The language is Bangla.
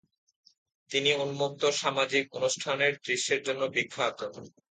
তিনি উন্মুক্ত সামাজিক অনুষ্ঠানের দৃশ্যের জন্য বিখ্যাত।